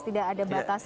tidak ada batasan